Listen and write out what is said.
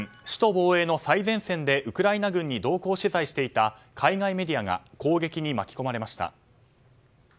首都防衛の最前線でウクライナ軍に同行取材していた海外メディアが攻撃に巻き込まれました。